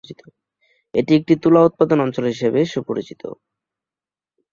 এটি একটি তুলা উৎপাদন অঞ্চল হিসেবে সুপরিচিত।